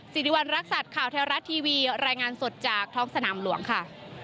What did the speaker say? สิริวัณรักษัตริย์ข่าวแท้รัฐทีวีรายงานสดจากท้องสนามหลวงค่ะ